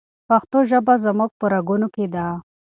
پښتو ژبه زموږ په رګونو کې ده.